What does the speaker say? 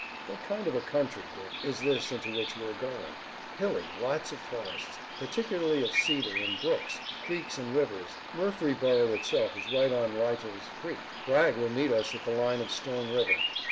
What kind of a country, Dick, is this into which we are going?" "Hilly, lots of forests, particularly of cedar, and brooks, creeks and rivers. Murfreesborough itself is right on Lytle's Creek. Bragg will meet us at the line of Stone River."